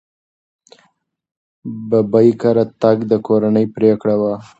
ببۍ کره تګ د کورنۍ پرېکړه وه.